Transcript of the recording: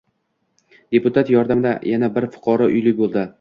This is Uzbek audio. Deputat yordamida yana bir fuqaro uyli bo‘ldi